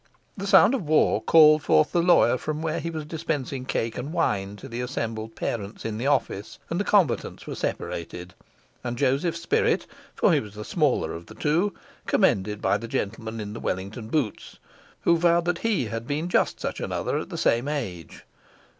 The sound of war called forth the lawyer from where he was dispensing cake and wine to the assembled parents in the office, and the combatants were separated, and Joseph's spirit (for he was the smaller of the two) commended by the gentleman in the Wellington boots, who vowed he had been just such another at the same age.